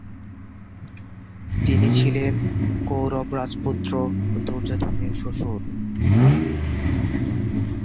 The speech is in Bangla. তিনি ছিলেন "কৌরব রাজপুত্র দুর্যোধনের" শ্বশুর।